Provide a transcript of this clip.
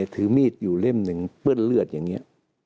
ถือมีดอยู่เล่มหนึ่งเปื้อนเลือดอย่างนี้